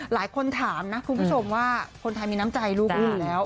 หลายคนถามนะคุณผู้ชมว่าคนไทยมีน้ำใจลูกอย่างง่าย